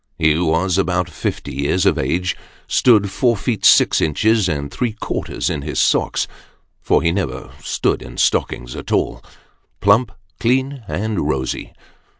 He was about fifty years of age ; stood four feet six inches and three quarters in his socks for he never stood in stockings at all plump, clean, and rosy.